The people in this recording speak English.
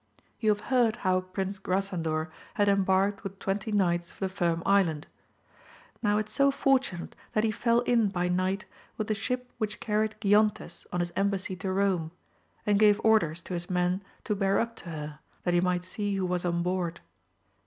OU have heard how Prince Grasandor had embarked with twenty knights for the Firm Island ; now it so fortuned that he fell in by night with the ship which carried Giontes on his embassy to Eome, and gave orders to his men to bear AMADIS OF GAUL. 147 up to her, that he might see who was on board.